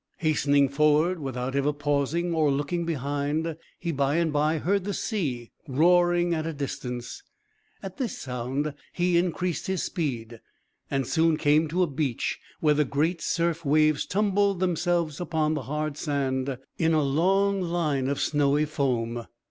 Hastening forward, without ever pausing or looking behind, he by and by heard the sea roaring at a distance. At this sound, he increased his speed, and soon came to a beach, where the great surf waves tumbled themselves upon the hard sand, in a long line of snowy foam.